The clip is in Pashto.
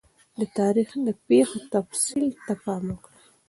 د تاریخ د پیښو تفصیل ته پام وکړئ.